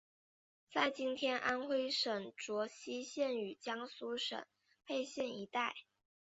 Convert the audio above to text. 在今天安微省睢溪县与江苏省沛县一带。